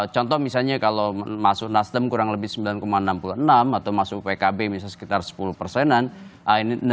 contoh misalnya kalau masuk nasdem kurang lebih sembilan enam puluh enam atau masuk pkb misalnya sekitar sepuluh persenan